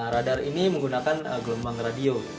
radar ini menggunakan gelombang radio